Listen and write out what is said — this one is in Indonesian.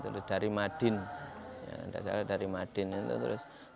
pukul tiga puluh diwatawari teman di sms ada kuliah gratis dari gubernur dari madin